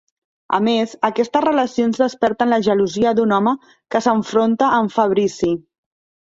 A més, aquestes relacions desperten la gelosia d'un home que s'enfronta amb Fabrici.